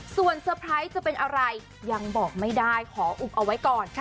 ส่วนเซอร์ไพรส์จะเป็นอะไรยังบอกไม่ได้ขออุบเอาไว้ก่อน